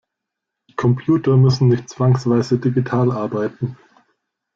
Computer müssen nicht zwangsweise digital arbeiten.